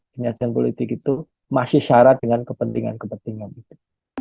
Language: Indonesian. dan politik itu masih syarat dengan kepentingan kepentingan itu